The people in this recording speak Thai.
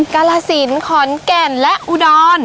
กาลสินขอนแก่นและอุดร